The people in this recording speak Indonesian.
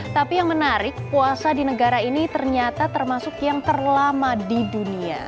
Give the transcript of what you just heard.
tapi yang menarik puasa di negara ini ternyata termasuk yang terlama di dunia